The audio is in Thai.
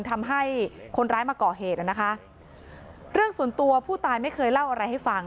ทำให้คนร้ายมาก่อเหตุนะคะเรื่องส่วนตัวผู้ตายไม่เคยเล่าอะไรให้ฟัง